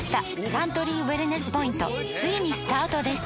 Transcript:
サントリーウエルネスポイントついにスタートです！